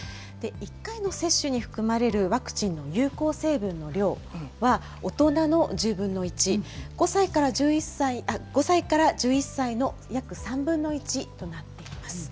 １回の接種に含まれるワクチンの有効成分の量は、大人の１０分の１。５歳から１１歳の約３分の１となっています。